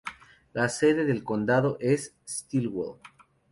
La sede del condado es Stilwell.